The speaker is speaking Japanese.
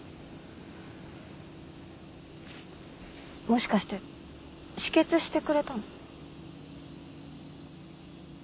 もしかして止血してくれたの？